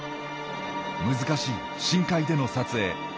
難しい深海での撮影。